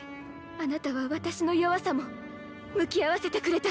あなたは私の弱さも向き合わせてくれた。